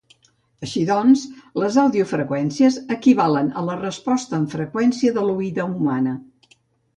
Així doncs, les audiofreqüències equivalen a la resposta en freqüència de l'oïda humana.